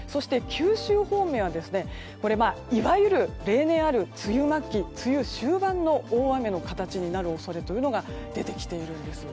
九州方面はいわゆる例年ある梅雨末期、梅雨終盤の大雨の形になる恐れが出てきているんです。